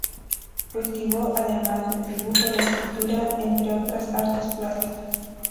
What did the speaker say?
Cultivó además del dibujo, la escultura, entre otras artes plásticas.